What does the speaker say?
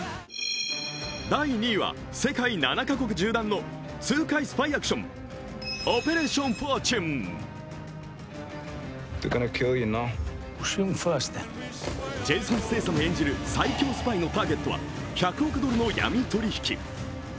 第２位は、世界７か国縦断の痛快スパイアクション「オペレーション・フォーチュン」ジェイソン・ステイサム演じる最強スパイのターゲットは１００億ドルの闇取引。